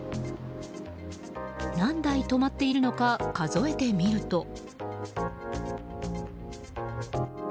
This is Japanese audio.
何台止まっているのか数えてみると。